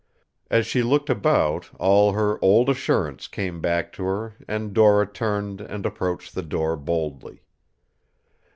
As she looked about all her old assurance came back to her and Dora turned and approached the door boldly.